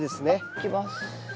いきます。